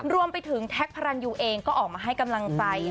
แท็กพระรันยูเองก็ออกมาให้กำลังใจ